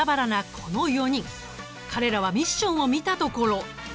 彼らはミッションを見たところ。